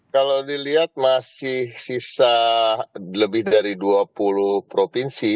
kalau dilihat masih sisa lebih dari dua puluh provinsi